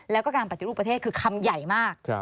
แล้วก็การปฏิรูปประเทศคือคำใหญ่มาก